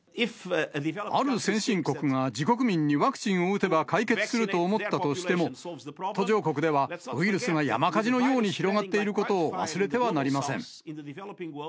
ある先進国が自国民にワクチンを打てば解決すると思ったとしても、途上国では、ウイルスが山火事のように広がっていることを忘れてはなりません。